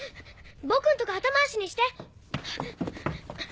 僕んとこ後回しにして！